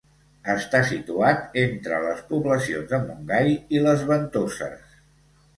Està situat entre les poblacions de Montgai i Les Ventoses.